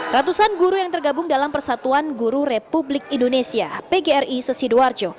ratusan guru yang tergabung dalam persatuan guru republik indonesia pgri sesidoarjo